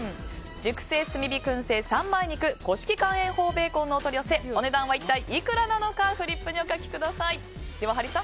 熟成炭火燻製三枚肉古式乾塩法ベーコンのお取り寄せお値段は一体いくらなのかフリップにお書きください。